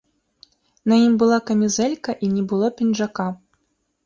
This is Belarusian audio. На ім была камізэлька і не было пінжака.